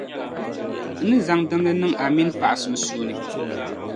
n ni zaŋ dimli niŋ a mini paɣa sunsuuni.